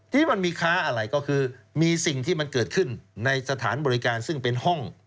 ทีนี้มันมีค้าอะไรก็คือมีสิ่งที่มันเกิดขึ้นในสถานบริการซึ่งเป็นห้อง